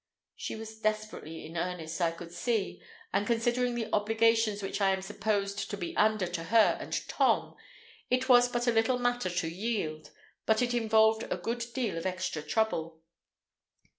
She was desperately in earnest I could see, and considering the obligations which I am supposed to be under to her and Tom, it was but a little matter to yield, but it involved a good deal of extra trouble.